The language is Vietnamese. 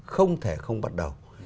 không thể không bắt đầu